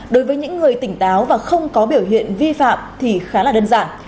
đối với những người tỉnh táo và không có biểu hiện vi phạm thì khá là đơn giản